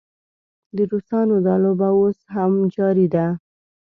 د روسانو دا لوبه اوس هم جاري ده.